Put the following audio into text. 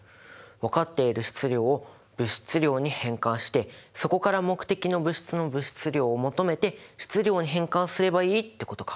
分かっている質量を物質量に変換してそこから目的の物質の物質量を求めて質量に変換すればいいってことか。